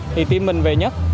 thì team mình về nhất